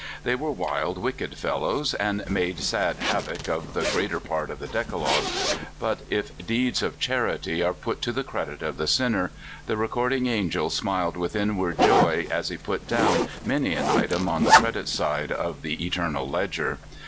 They were wild, wicked fellows, and made sad havoc of the larger part of the decalogue ; but if deeds of charity are put to the credit of sin ners, the Recording Angel smiled with inward joy aa he put down many an item on the credit side of thf eternal ledger.